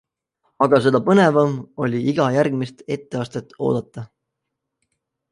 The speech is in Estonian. Aga seda põnevam oli iga järgmist etteastet oodata.